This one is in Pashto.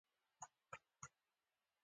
ځینې ویډیوګانې د ژوند د تجربو ښکارندویي کوي.